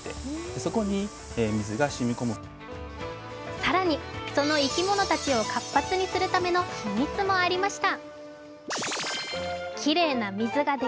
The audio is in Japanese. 更にその生き物たちを活発にするための秘密もありました。